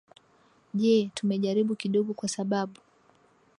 je tumejaribu kidogo kwa sababu